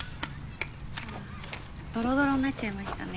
ドロドロになっちゃいましたね。